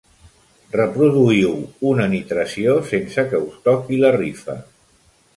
Reproduïu una nitració sense que us toqui la rifa.